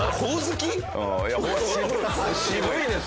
渋いですね。